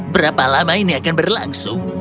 berapa lama ini akan berlangsung